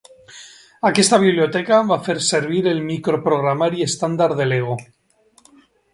Aquesta biblioteca va fer servir el microprogramari estàndard de Lego.